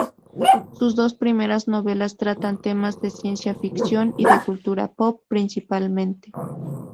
Sus dos primeras novelas tratan temas de ciencia ficción y de cultura pop principalmente.